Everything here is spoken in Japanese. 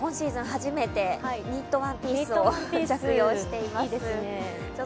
初めてニットワンピースを着用しています。